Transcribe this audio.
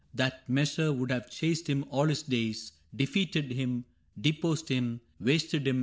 That measure would have chased him all his days, Defeated him, deposed him, wasted him.